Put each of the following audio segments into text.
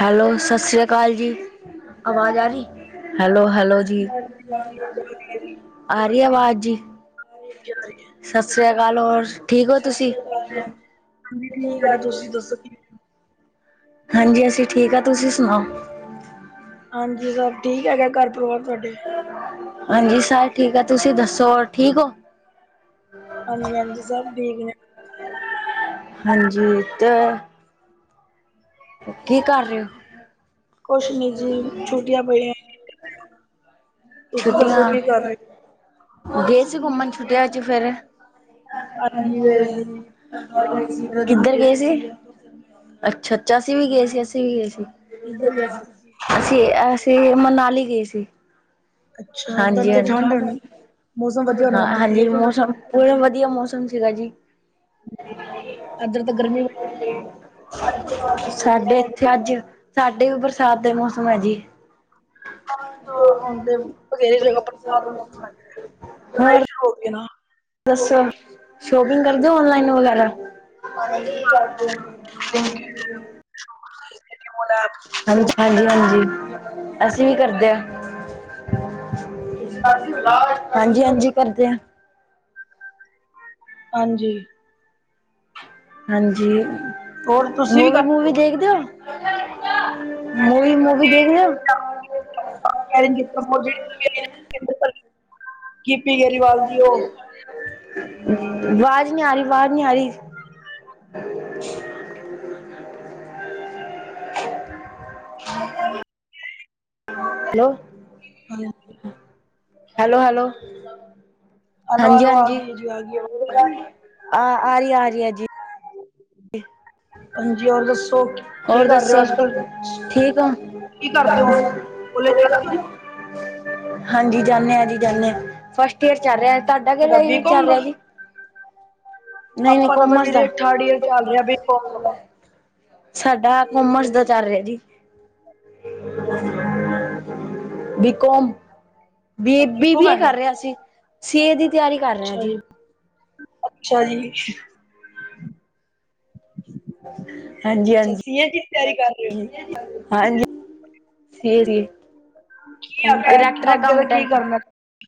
Hello, ਸਤਿ ਸ੍ਰੀ ਅਕਾਲ ਜੀ। ਆਵਾਜ਼ ਆ ਰਹੀ ਹੈਲੋ ਹੈਲੋ ਜੀ। ਦੀ ਵਾਰੀ ਆ ਰਹੀ ਆਵਾਜ਼ ਜੀ? ਜਾ ਰਹੀ ਸਤਿ ਸ੍ਰੀ ਅਕਾਲ ਹੋਰ ਠੀਕ ਹੋ ਤੁਸੀਂ? ਹਾਂ ਜੀ, ਹੈ। ਹਾਂ ਹਾਂਜੀ ਜੀ, ਤੁਸੀ ਕੀ ਠੀਕ ਆ ਕਰਦੇ ਤੁਸੀਂ ਸੀ? ਦੱਸੋ ਕੀ ਹਾਂਜੀ ਅਸੀਂ ਠੀਕ ਆ ਤੁਸੀਂ ਸੁਣਾਓ? ਹਾਂਜੀ, ਸਬ ਠੀਕ ਹੈਗਾ ਘਰ ਪਰਿਵਾਰ ਤੁਹਾਡੇ? ਹਾਂਜੀ ਸਾਰੇ ਠੀਕ ਆ, ਤੁਸੀਂ ਦੱਸੋ ਹੋਰ ਠੀਕ ਹੋ? ਹਾਂਜੀ, ਹਾਂਜੀ ਸਭ ਠੀਕ ਨੇ। ਹਾਂਜੀ ਤੇ ਕੀ ਕਰ ਰਹੇ ਹੋ ਕੁਛ ਨ ਜੀ ਛੁਟੀਆਂ ਪਈਆਂ ਤੁਸੀਂ ਛੁੱਟੀਆਂ ਦੱਸੋ ਕੀ ਕਰ ਰਹੇ ਓ ਗਏ ਸੀ ਘੁੰਮਣ ਛੁਟਿਆ ਚ ਫੇਰ ਹਾਂਜੀ ਵੈਸੇ ਹੀ [unintelligible] ਕਿੱਧਰ ਗਏ ਸੀ ਅੱਛਾ ਅਸੀਂ ਵੀ ਗਏ ਸੀ ਅਸੀਂ ਵੀ ਗਏ ਸੀ ਸੀ। [unintelligible] ਅਸੀਂ ਅਸੀਂ ਮਨਾਲੀ ਗਏ ਸੀ ਅੱਛਾ ਉੱਧਰ ਹਾਂਜੀ ਤੇ ਹਾਂਜੀ ਠੰਡ ਹੋਣੀ ਮੌਸਮ ਵਧੀਆ ਹੋਣਾ ਹਾਂ ਉੱਧਰ ਤੇ ਹਾਂਜੀ ਮੌਸਮ ਪ ਵਧੀਆ ਮੌਸਮ ਸੀਗਾ ਜੀ ਅੱਜ ਬਰਸਾਤ ਸਾਡੇ ਇੱਥੇ ਅੱਜ ਸਾਡੇ ਵੀ ਬਰਸਾਤ ਦੇ ਮੌਸਮ ਹੈ ਜੀ [unintelligible] ਹੋਰ [unintelligible] ਦੱਸੋ, ਸ਼ੋਪਿੰਗ ਕਰਦੇ ਔ ਔਨਲਾਈਨ ਵਗੈਰਾ? [unintelligible] [inaudible] ਹਾਂਜੀ, ਹਾਂਜੀ ਅਸੀਂ ਵੀ ਕਰਦੇ ਆ। ਹਾਂਜੀ। [unintelligible] ਹਾਂਜੀ, ਹਾਂਜੀ ਕਰਦੇ ਆ। ਹਾਂਜੀ। ਹਾਂਜੀ। ਹੋਰ ਤੁਸੀਂ ਵੀ ਮੁਵੀ ਮੁਵੀ ਦੇਖਦੇਔ, ਮੁਵੀ ਮੁਵੀ ਦੇਖਦੇਔ। [unintelligible] ਗਿੱਪੀ ਗਰੇਵਾਲ ਦੀ ਉਹ [unintelligible] ਵਾਜ਼ ਨੀ ਆਰੀ, ਵਾਜ਼ ਨੀ ਆਰੀ। [inaudible] ਹਲੋ। [inaudible] [unintelligible] Hello, hello. ਹੈਲੋ ਹਾਂਜੀ, ਹੈਲੋ ਆ ਹਾਂਜੀ ਗਈ ਜੀ ਆ ਗਈ ਆਰੀ ਆ, ਆਰੀ ਆ ਜੀ। [inaudible] ਹਾਂਜੀ ਹੋਰ ਦੱਸੋ [unintelligible] ਕੀ ਹੋਰ ਕਰ ਰਹੇ ਹੋ ਦੱਸੋ ਅੱਜ ਕੱਲ ਠੀਕ ਐ ਕੀ ਕਰਦੇ ਹੋ ਕੋਲਜ ਜਾਂਦੇ ਹੋ [unintelligible] ਹਾਂਜੀ ਜਾਂਦੇ ਆਂ ਜੀ ਜਾਂਦੇ ਆਂ ਫਸਟ ਈਅਰ ਚੱਲ ਰਿਹਾ ਤੁਹਾਡਾ ਕਿਦਾ ਕਿਵੇਂ ਬੀਕੌਮ ਚੱਲ ਦਾ ਰਿਹਾ ਜੀ ਨਹੀਂ ਨਹੀਂ ਆਪਾਂ ਤਾਂ ਕੋਮਰਸ ਦਾ ਵੀਰੇ ਥਰਡ ਈਅਰ ਚੱਲ ਰਿਹਾ ਬੀਕੌਮ ਦਾ ਸਾਡਾ ਕੋਮਰਸ ਦਾ ਚੱਲ ਰਿਹਾ ਜੀ B com B B BCom B A ਹੈਗਾ ਕਰ ਰਿਹਾ ਸੀ ਏ ਦੀ ਤਿਆਰੀ ਕਰ ਰਹੇ ਹਾਂ ਜੀ ਅੱਛਾ ਜੀ ਹਾਂਜੀ, ਅੱਛਾ ਹਾਂਜੀ। ਸੀਏ ਦੀ ਤਿਆਰੀ ਕਰ ਰਹੇ ਹੋ [unintelligible] ਹਾਂਜੀ [unintelligible] ਕੀ ਅੱਗੇ, ਅੱਗੇ ਦਾ ਕੀ ਕਰਨੈ। [inaudible]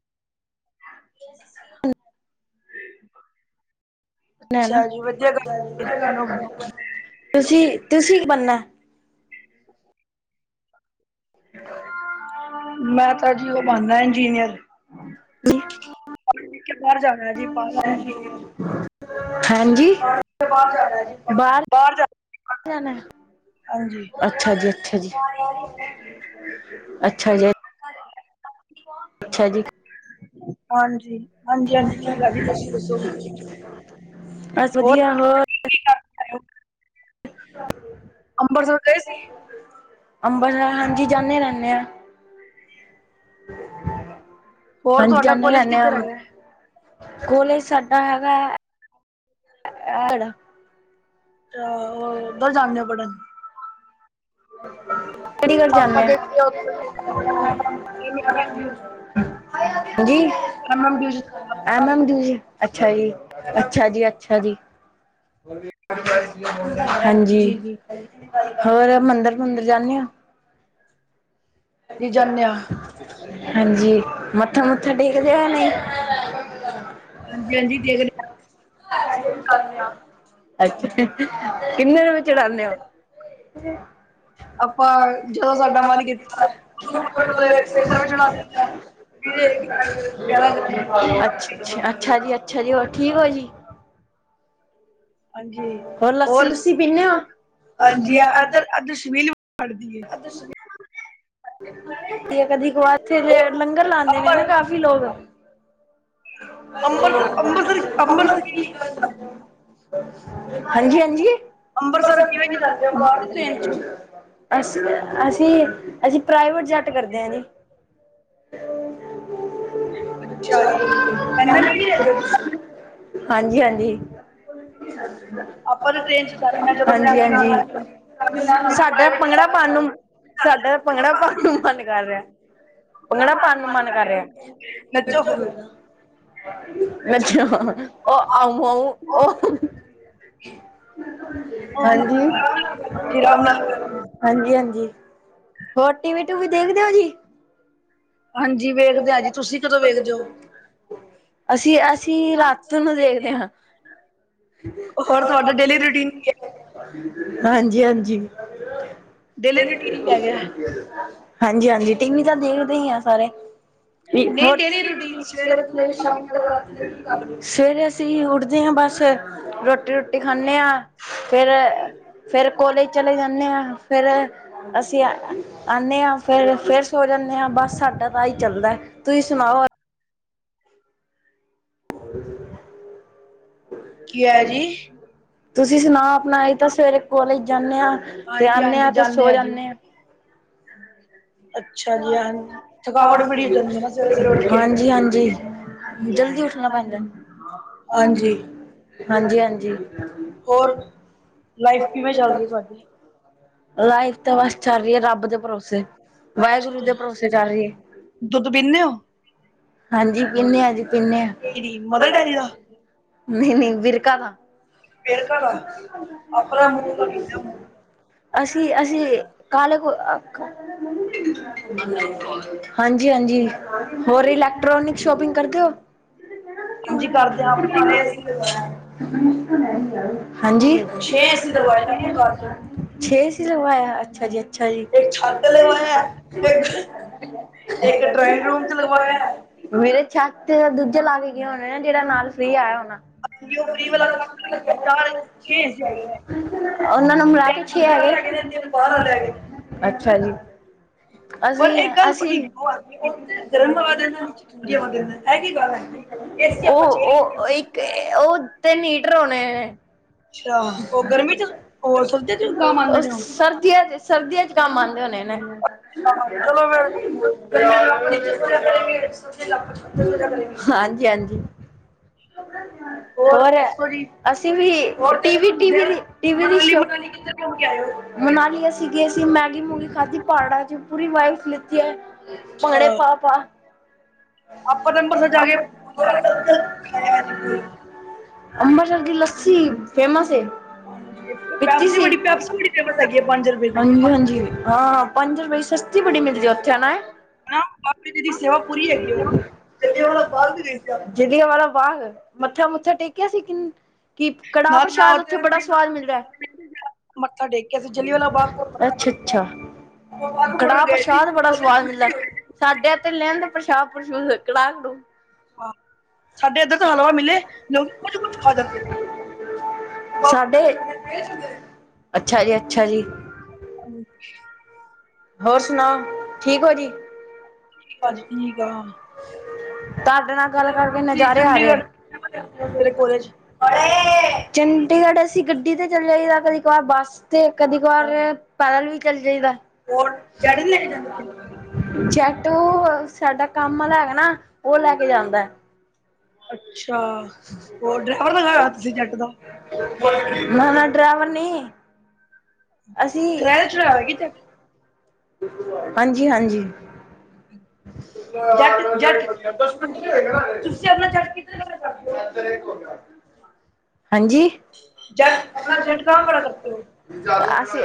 ਨਾ ਨਾ ਅੱਛਾ ਜੀ, ਵਧੀਆ ਗੱਲ [unintelligible] ਤੁਸੀਂ, ਤੁਸੀਂ ਕੀ ਬਨਨਾ? [inaudible] ਮੈਂ ਤਾਂ ਜੀ ਔ ਬਨ ਨੈ ਇੰਜੀਨੀਅਰ। [inaudible] ਕੇ ਬਾਹਰ ਜਾਣਾ ਜੀ ਬਾਹਰ ਹਾਂਜੀ, ਬਾਰ ਬਾਹਰ ਜਾ [unintelligible] ਜਾਨੈ। ਹਾਂਜੀ ਹਾਂਜੀ ਅੱਛਾ ਜੀ, ਅੱਛਾ ਜੀ, ਅੱਛਾ ਜੀ [inaudible] ਅੱਛਾ ਜੀ। ਹਾਂਜੀ, ਹਾਂਜੀ ਹਾਂਜੀ ਠੀਕ ਆ ਜੀ ਤੁਸੀਂ ਦੱਸੋ। ਬਸ ਵਧੀਆ ਹੋਰ ਅੰਬਰਸਰ ਗਏ ਸੀ। ਅੰਬਰਸਰ, ਹਾਂਜੀ ਜਾਨੇ ਰੈਨੇ ਆ। ਹੋਰ ਹਾਂਜੀ, ਤੁਹਾਡਾ ਜਾਨੇ ਕੋਲੇਜ ਰੈਨੇ ਆ। ਕਿੱਧਰ ਹੈਗਾ ਕੋਲੇਜ ਸਾਡਾ ਹੈਗੇ [inaudible] [unintelligible] ਜਾਨੇ ਆ ਕੋਲੇਜ। ਚੰਡੀਗੜ੍ਹ ਪਾਪਾ [unintelligible] ਆਪਾ ਹਾਂਜੀ। ਐਮ ਐਮ ਡੀ ਯੂ, ਅੱਛਾ ਜੀ, ਅੱਛਾ ਜੀ, ਅੱਛਾ ਜੀ। ਹਾਂਜੀ, ਜੀ ਜੀ ਹੋਰ ਮੰਦਰ ਮੰਦਰ ਜਾਨੇ ਔ। ਜੀ ਜਾਂਦੇ ਆ ਹਾਂਜੀ, ਮੱਥਾ-ਮੂੱਥਾ ਟੇਕਦੇ ਔ ਯਾ ਨਈ। ਹਾਂਜੀ, ਹਾਂਜੀ, ਦੇਖਦ ਅੱਛਾ, ਕਿੰਨੇ [unintelligible] ਚੜਾਨੇ ਔ। ਜ ਆਪਾਂ ਜਦੋਂ ਸਾਡਾ ਮਨ ਕੀਤਾ ਹੜ ਅੱਛ ਅੱ ਅੱਛਾ ਜੀ ਅੱਛਾ ਜੀ ਹੋਰ ਠੀਕ ਹੋ ਜੀ ਹਾਂਜੀ ਹੋਰ ਲੱਸੀ ਲੁੱਸੀ ਤੁਸੀਂ ਪੀਂਦੇ ਹੋ ਹੋ ਇਧਰ ਸ਼ਪੀਲ ਤੇ ਕਦੀ ਕਾਰ ਇਥੇ ਲੰਗਰ ਲਾਉਦੇ ਨੇ ਨਾ ਹੋਰ ਕਾਫੀ ਲੋਕ ਅੰਬਰ ਅੰਮ੍ਰਿਤ ਅੰਮ੍ਰਿਤਸਰ ਅੰਮ੍ਰਿਤਸਰ ਹਾਂਜੀ ਹਾਂਜੀ ਦ ਅੰਮ੍ਰਿਤਸਰ ਕਿਵੇਂ ਟ੍ਰੇਨ ਚ ਅਸੀਂ ਅਸੀਂ ਅਸੀਂ ਪ੍ਰਾਈਵੇਟ ਜੈੱਟ ਕਰਦੇ ਆ ਜੀ ਹੂੰ ਹਾਂਜੀ ਹਾਂਜੀ ਆਪਾਂ ਤਾਂ ਟ੍ਰੇਨ ਚ ਜਾਂਦੇ ਹਾਂ ਜਦੋਂ ਹਾਂਜੀ ਫੈਮਿਲੀ ਨਾਲ ਹਾਂਜੀ ਮੇਰਾ ਸਾਡਾ ਪ੍ਰਾਈਵੇਟ ਭੰਗੜਾ ਪਾਉਣ ਨੂੰ ਸਾਡਾ ਤਾਂ ਭੰਗੜਾ ਪਾਉਣ ਨੂੰ ਮਨ ਕਰ ਰਿਹਾ ਪੰਗੜਾ ਪਾਣ ਨੂੰ ਮਨ ਕਰ ਰਿਹਾ। ਨੱਚੋ ਫਿਰ [unintelligible] ਅੱਛਾ ਉ ਆਰਾਮ ਪਾਓ ਹਾਂਜੀ। ਨਾਲ ਹਾਂਜੀ, ਹਾਂਜੀ, ਹੋਰ ਟੀਵੀ-ਟੂਵੀ ਦੇਖਦੇ ਹੋ ਜੀ। ਹਾਂਜੀ, ਵੇਖਦੇ ਆ ਜੀ, ਤੁਸੀ ਕਦੋਂ ਵੇਖਦੇ ਔ। ਅਸੀਂ ਅਸੀਂ ਰਾਤ ਨੂੰ ਦੇਖਦੇ ਆ। ਹੋਰ ਤੁਹਾਡਾ ਡੇਲੀ ਰੂਟੀਨ ਕੀ ਹੈ ਹਾਂਜੀ, ਹਾਂਜੀ। ਡੇਲੀ ਰੂਟੀਨ ਕੀ ਹੈਗਾ ਹਾਂਜੀ ਹਾਂਜੀ ਟੀਵੀ ਤਾਂ ਦੇਖਦੇ ਹੀ ਆ ਸਾਰੇ ਨਹੀਂ ਡੇਲੀ ਰੂਟੀਨ ਸਵੇਰੇ ਸਵੇਰੇ ਅਸੀਂ ਉੱਠਦੇ ਹਾਂ ਬਸ ਰੋਟੀ ਰੋਟੀ ਖਾਂਦੇ ਆ ਫਰ ਫੇਰ ਕੋਲੇਜ ਚਲੇ ਜਾਂਦੇ ਆਾਂ ਫੇਰ ਅਸੀਂ ਆਉਂਦੇ ਹਾਂ ਫਿਰ ਫੇਰ ਸੋ ਜਾਂਦੇ ਹਾਂ ਬਸ ਸਾਡਾ ਤਾਂ ਆਈ ਚੱਲਦਾ ਤੁਸੀਂ ਸੁਣਾਓ ਪਿਆਜੀੀ ਤੁਸੀਂ ਸੁਣਾ ਆਪਣਾ ਇਹ ਤਾਂ ਸਵੇਰੇ ਕੋਲੇਜ ਜਾਂਦੇ ਆ ਤੇ ਹਾਂਜੀ ਆਉਦੇ ਆ ਤੇ ਸੋ ਜਾਂਦੇ ਆ ਹਾਂ ਅੱਛਾ ਜੀ ਥਕਾਵਟ ਬੜੀ ਹੋ ਜਾਂਦੀ ਹੈ ਨਾ ਸਵੇਰੇ ਸਵੇਰੇ ਉੱਠ ਕੇ ਹਾਂਜੀ-ਹਾਂਜੀ, ਜਲਦੀ ਉੱਠਣਾ ਪੈਂਦਾ। ਹਾਂਜੀ ਹਾਂਜੀ ਹਾਂਜੀ ਹੋਰ ਲਾਈਫ ਕਿਵੇਂ ਚੱਲਦੀ ਤੁਹਾਡੀ ਲਾਈਫ ਤਾਂ ਬਸ ਚੱਲ ਰਹੀਏ ਰੱਬ ਦੇ ਭਰੋਸੇ ਵਾਹਿਗੁਰੂ ਦੇ ਭਰੋਸੇ ਚੱਲ ਰਹੀ ਦੁੱਧ ਪੀਂਦੇ ਹੈ ਹੋ ਹਾਂਜੀ ਪੀਨੇ ਹਾਂ ਜੀ ਪੀਨੇ ਆ ਇਹਦੀ ਮਦਰ ਡੈਰੀ ਦਾ ਨਹੀਂ ਨਹੀਂ ਵਿਰਕਾ ਦਾ ਫੇਰ ਘਰ ਆਪਣਾ ਮੂੰਹ ਅਸੀਂ ਅਸੀਂ ਕਾਲ ਕੋ ਹਾਂਜੀ ਹਾਂਜੀ ਹੋਰ ਇਲੈਕਟ੍ਰੋਨਿਕ ਸ਼ੋਪਿੰਗ ਕਰਦੇ ਹੋ ਹਾਂਜੀ ਕਰਦੇ ਹਾਂ [unintelligible] ਹਾਂਜੀ ਛੇ ਸੀ ਲਗਵਾਇਆ ਅੱਛਾ ਜੀ ਅੱਛਾ ਜੀ ਇੱਕ ਛੱਤ ਤੇ ਲਗਵਾਇਆ ਇੱਕ ਇੱਕ ਡਰਾਇੰਗ ਰੂਮ ਚ ਮੇਰੇ ਛੱਤ ਦੂਜੇ ਲਾ ਕੇ ਗਏ ਹੋਣੇ ਨਾ ਜਿਹੜਾ ਨਾਲ ਫ੍ਰਰੀ ਆਇਆ ਹੋਣਾ ਲਗਵਾਇਆ ਉਹ ਫ੍ਰੀ ਵਾਲਾ ਵਾਲ ਕੰਮ ਲੱਗਿਆ ਚਾਰ ਚਲ ਅੱਛੇ ਕੇਸ ਹੈਗੇ ਆ [unintelligible] ਉਹਨਾਂ ਨੂੰ ਮਿਲਾ ਕੇ ਛੇ ਹੈਗੇ ਅੱਛਾ ਜੀ ਪਰ ਅਸੀਂ ਇੱਕ ਗੱਲ ਅਸੀਂ ਬੜੀ ਗਰਮ ਬਾਤ ਹੈ ਕਿ ਉਹ ਉਹ ਉਹ ਇੱਕ ਉਹ ਤੇ ਨੀ ਟ ਰੋਣੇ ਉਹ ਸਰਦੀਆਂ ਚ ਸਰਦੀਆਂ ਚ ਕੰਮ ਆਉਂਦੇ ਹੋਣੇਨੇ ਚਲੋ ਫਿਰ ਹਾਂਜੀ ਹਾਂਜੀ। ਹੋਰ ਦੱਸੋ ਜੀ ਅਸੀਂ ਵੀ ਹੋਰ ਟੀਵੀ ਟੀਵੀ ਦੀ ਟੀਵੀ ਦੀ ਮੰਡਲੀ ਸ਼ੋ ਮੰਡਲੀ ਕੀ ਹੈ? ਮਨਾਲੀਆ ਸੀਗੇ ਅਸੀਂ ਮੈਗੀ ਮੂਗੀ ਖਾਧੀ ਪਾੜਾਂ ਚ ਪੂਰੀ ਵਾਈਬਸ ਲਿਤ ਅੱਛਾ, ਪਾਣੇ ਪਾ ਪਾ ਆਪਾਂ ਤੇੰ ਅੰਬਰਸਰ ਜਾ ਕੇ ਅੰਬਰਸਰ ਦੀ ਲੱਸੀ ਫੇਮਸ ਏ, ਪੀਤੀ ਪੈਪਸੀ ਸੀ। ਬੜੀ ਪੈਪਸੀ ਬੜੀ ਫੇਮਸ ਹੈਗੀ ਹੈ ਪੰਜ ਰੁਪਏ ਦੀ ਹਂਜੀ ਹਾਂਜੀ, ਹਾਂ ਪੰਜ ਰੁਪਏ ਦੀ ਸਸਤੀ ਬੜੀ ਮਿਲਦੀ ਓਥੇ ਹੈਨਾ ਏ। ਹੈਨਾ [unintelligible] ਜੀ ਦੀ ਸੇਵਾ ਪੂਰੀ ਹੈਗੀ ਏ [unintelligible] ਗਏ ਜਲੀਆ ਵਾਲਾ ਬਾਗ ਮੱਥਾ ਮੁੱਥਾ ਟੇਕਿਆ ਸੀ ਕਿਨ ਕਿ ਕੜਾਹ ਨਾਲ ਪ੍ਰਸ਼ਾਦ ਨਾਲ ਉੱਥੇ ਬੜਾ ਸਵਾਦ ਮਿਲਦਾ ਏ ਮੱਥਾ ਟੇਕ ਕੇ ਅਸੀਂ ਜਲਿਆਂਵਾਲਾ ਬਾਗ ਕੋਲ ਮੱਥਾ ਟੇਕ ਅੱਛਾ ਅੱਛਾ। ਕੇ ਬਾਗ ਬਾਰਡਰ ਕੜਾਹ ਗਏ ਸੀ ਪ੍ਰਸ਼ਾਦ ਬੜਾ ਸਵਾਦ ਮਿਲਦਾ ਸਾਡੇ ਐਤੇ ਲਿਆਂਣਦੇ ਪ੍ਰਸ਼ਾਦ ਪ੍ਰਸ਼ੂਦ ਕੜਾਹ ਕੜੂ। ਹਾਂ, ਸਾਡੇ ਏਧਰ ਤਾ ਹਲਵਾ ਮਿਲੇ ਲੋਕੀ ਕੁਝ ਕੁਛ ਖਾ ਜਾਂਦੇ ਨੇ। ਬਾਬਾ ਸਾਡੇ ਅੱਛਾ ਜੀ ਅੱਛਾ ਜੀ ਹਮ ਹੋਰ ਸੁਣਾਓ ਠੀਕ ਹੋ ਜੀ ਸਬ ਠੀਕ ਆ ਤੁਹਾਡੇ ਨਾਲ ਗੱਲ ਕਰਕੇ ਜੀ ਨਜ਼ਾਰੇ ਆ ਚੰਡੀਗੜ੍ਹ ਰਹੇ ਤੇਰੇ ਕਾਲਜ ਚੰਡੀਗੜ੍ਹ ਅਸੀਂ ਗੱਡੀ ਤੇ ਚੱਲ ਜਾਈਦਾ ਕਦੀ ਕ ਵਾਰ ਬੱਸ ਤੇ ਕਦੀ ਕ ਵਾਰ ਕਲ ਵਿ ਚਲੀ ਜਾਈਦਾ ਹੋਰ ਜੱਟ ਨੇ ਜੈਟੂ ਸਾਡਾ ਕੰਮ ਆਲਾ ਹੈਗਾ ਨਾ ਓਹ ਲੈ ਕੇ ਕੇ ਜਾਂਦਾ ਏ ਅੱਛਾ ਉਹ ਡਰਾਈਵਰ ਲਗਾਇਆ ਹੋਇਆ ਤੁਸੀਂ ਜੱਟ ਦਾ ਮੈਂਨਾ ਡਰੈਵਰ ਨੀ ਅਸੀਂ ਕਿਰਾਏ ਤੇ ਚੜਾਇਆ ਕਿ ਹਾਂਜੀ ਹਾਂਜੀ। ਜੱਟ ਜੱਟ ਜੱਟ ਤੁਸੀਂ ਤੁਸੀਂ ਆਪਣਾ ਚੜ ਕੇ ਹਾਂਜੀ। ਜੱਟ ਜੱਟ ਆਸੀਂ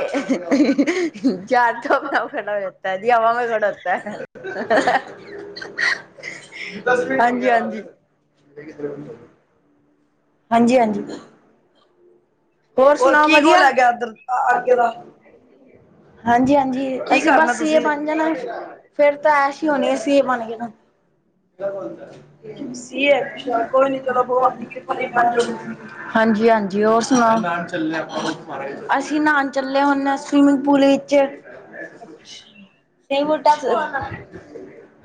ਚਾਰ ਤੋਂ ਅਪਣੇ ਆਪ ਖੜਾ ਹੋ ਜਾਤੈ। ਦੀ ਹਵਾਂ ਮੇ ਖੜਾ ਹੋਤੈ। ਹਾਂਜੀ ਹਾਂਜੀ। ਹਾਂਜੀ ਹਾਂਜੀ। ਹੋਰ ਸੁਣਾਓ ਕੀ ਵਧੀਆ ਗੋਲ ਹੈਗਾ ਐਧਰ ਤਾ ਅੱਗੇ ਦਾ? ਹਾਂਜੀ ਹਾਂਜੀ, ਕੀ ਅਸੀਂ ਕਰਨਾ ਬੱਸ ਸੀਏ ਤੁਸੀਂ ਬਣ ਜਾਣਾ ਏ। ਫੇਰ ਤਾਂ ਐਸ਼ ਹੀ ਹੋਣੀ ਏ ਸੀਏ ਬਣ ਗੇ ਤਾਂ। ਸੀ ਏ ਅੱਛਾ ਬਣ ਜਾਣਗੇ। ਹਾਂਜੀ- ਹਾਂਜੀ, ਹੋਰ ਸੁਣਾਔ? ਅਸੀਂ ਨਾਨ ਚੱਲੇ ਆ ਹੁਣ। ਸਵਿਮਿੰਗ ਪੂਲ ਵਿੱਚ।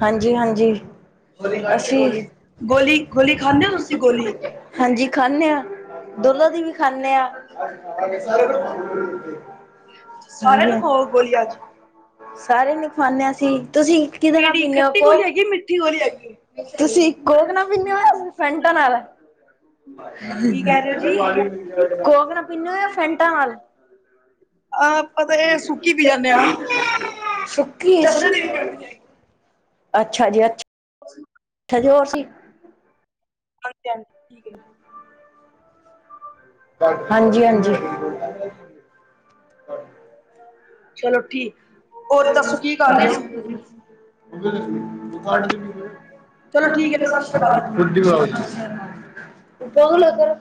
ਹਾਂਜੀ- ਹਾਂਜੀ। ਅਸੀਂ ਗੋਲੀ ਖਾਂਦੇ ਔ ਤੁਸੀਂ ਗੋਲੀ? ਹਾਂਜੀ, ਖਾਂਦੇ ਆਂ ਡੋਲੋ ਦੀ ਵੀ ਖਾਂਣੇ ਆਂ। ਸਾਰਿਆਂ ਨੂੰ ਖਾਓ ਗੋਲੀ ਅੱਜ ਸਾਰੇ ਨੇ ਖਵਾਣੇ ਆਂ ਅਸੀਂ। ਤੁਸੀਂ ਕਿਦੇ ਨਾਲ ਕਿਹੜੀ ਪੀਂਣੇ ਔ ਖੱਟੀ ਗੋਲੀ ਕੋਕ, ਹੈਗੀ ਮਿੱਠੀ ਗੋਲੀ ਹੈਗੀ ਤੁਸੀਂ ਕੋਕ ਨਾ ਪੀਂਦ ਔ ਫੈਨਟਾ ਨਾਲ। ਕੀ ਕਹਿ ਰਹੇ ਹੋ ਜੀ ਕੋਕ ਨਾ ਪੀਨੇ ਔ ਯਾ ਫੈਂਟਾਂ ਨਾਲ? ਅ ਅਪਾਂ ਤੇ ਏ ਸੁੱਕੀ ਪੀ ਜਾਂਣੇ ਆਂ। ਸੁੱਕੀ, ਅੱਛਾ ਜੀ ਅੱਛਾ। ਹਜੇ ਔ ਅਸੀਂ ਦੈਣ ਠੀਕ ਹੈ ਜੀ। ਹਾਂਜੀ- ਹਾਂਜੀ। ਚਲੋ ਠੀ। [unintelligible] ਚਲੋ ਠੀਕ ਹੈ [unintelligible]